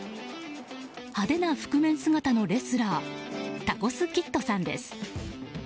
派手な覆面姿のレスラータコスキッドさんです。